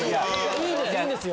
いいんですよ！